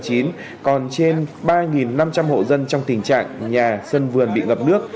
còn trên ba năm trăm linh hộ dân trong tình trạng nhà sân vườn bị ngập nước